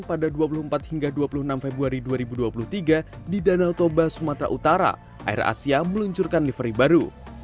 pada dua puluh empat hingga dua puluh enam februari dua ribu dua puluh tiga di danau toba sumatera utara air asia meluncurkan livery baru